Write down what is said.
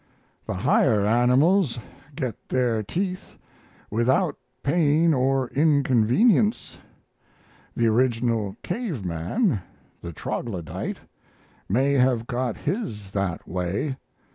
The higher animals get their teeth without pain or inconvenience. The original cave man, the troglodyte, may have got his that way.